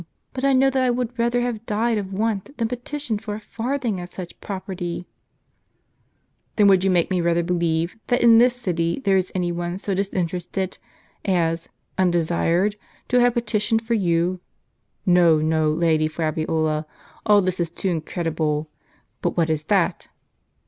But I know, that I aa^ouM rather have died of want than petitioned for a farthing of such property !" "Then would you make me rather believe, that in this city there is any one so disinterested as, undesired, to have petitioned for you? No, no, Lady Fabiola, all this is too incredible. But what is that?"